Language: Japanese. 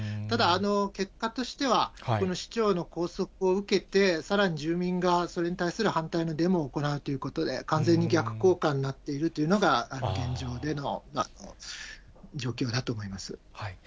ただ、結果としては、この市長の拘束を受けて、さらに住民がそれに対する反対のデモを行うということで、完全に逆効果になっているというのが現状での状況となっています。